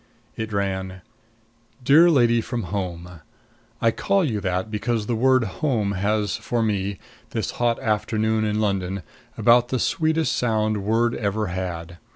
It ran: DEAR LADY FROM HOME: I call you that because the word home has for me, this hot afternoon in London, about the sweetest sound word ever had.